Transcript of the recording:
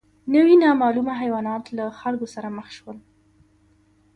نوي نامعلومه حیوانات له خلکو سره مخ شول.